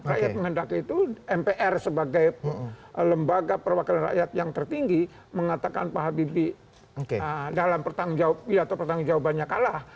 rakyat menghendaki itu mpr sebagai lembaga perwakilan rakyat yang tertinggi mengatakan pak habibie dalam atau pertanggung jawabannya kalah